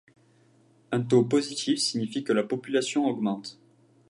Un taux positif signifie que la population augmente.